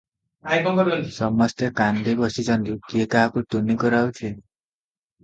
ସମସ୍ତେ କାନ୍ଦି ବସିଛନ୍ତି; କିଏ କାହାକୁ ତୁନି କରାଉଛି?